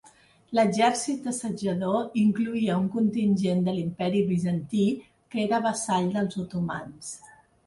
L'exèrcit assetjador incloïa un contingent de l'Imperi Bizantí, que era vassall dels otomans.